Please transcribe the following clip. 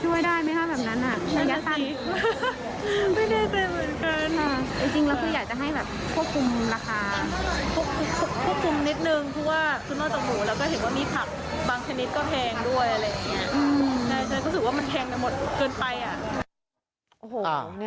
ใช่ชัยก็รู้สึกว่ามันแพงไปหมดเกินไปอ่ะ